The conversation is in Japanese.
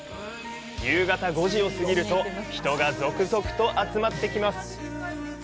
夕方５時を過ぎると人が続々と集まってきます。